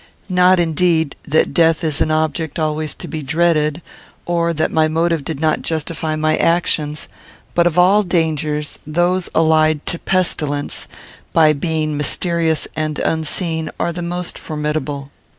Not, indeed, that death is an object always to be dreaded, or that my motive did not justify my actions; but of all dangers, those allied to pestilence, by being mysterious and unseen, are the most formidable.